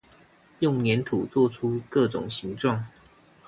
用黏土做出各種形狀